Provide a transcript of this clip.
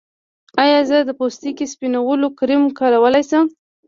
ایا زه د پوستکي سپینولو کریم کارولی شم؟